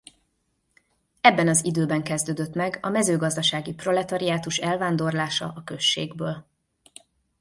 Ebben az időben kezdődött meg a mezőgazdasági proletariátus elvándorlása a községből.